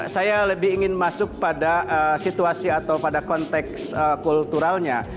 saya lebih ingin masuk pada situasi atau pada konteks kulturalnya